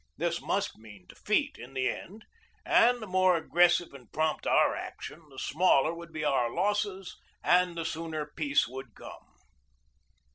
This must mean defeat in the end, and the more aggressive and prompt our action the smaller would be our losses and the sooner peace would come.